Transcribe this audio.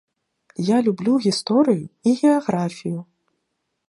Я люблю гісторыю і геаграфію.